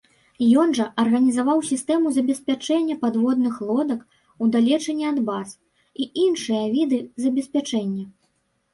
Ён жа арганізаваў сістэму забеспячэння падводных лодак удалечыні ад баз, і іншыя віды забеспячэння.